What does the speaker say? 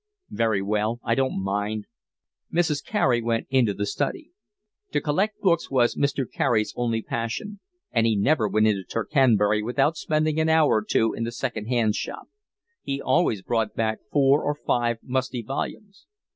"Very well, I don't mind." Mrs. Carey went into the study. To collect books was Mr. Carey's only passion, and he never went into Tercanbury without spending an hour or two in the second hand shop; he always brought back four or five musty volumes.